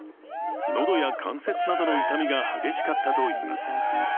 喉や関節などの痛みが激しかったといいます。